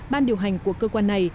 ban điều hành của cơ quan này